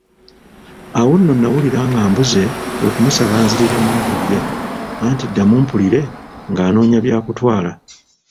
Awo nno nawulira ng'abuze kwe kumusaba anziriremu mpulire, anti ddamu mpulire, ng'anoonya bya kutwala.